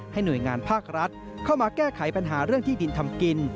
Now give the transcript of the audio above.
หน่วยงานภาครัฐเข้ามาแก้ไขปัญหาเรื่องที่ดินทำกิน